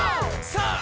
さあ！